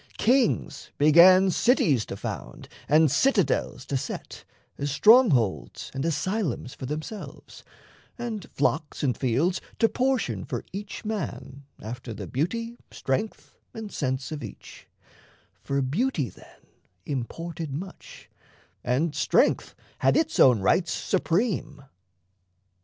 Kings began Cities to found and citadels to set, As strongholds and asylums for themselves, And flocks and fields to portion for each man After the beauty, strength, and sense of each For beauty then imported much, and strength Had its own rights supreme.